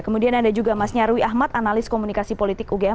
kemudian ada juga mas nyarwi ahmad analis komunikasi politik ugm